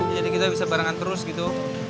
jadi kita bisa barengan terus gitu